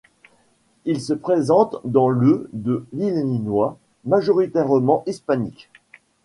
Il se présente dans le de l'Illinois, majoritairement hispanique.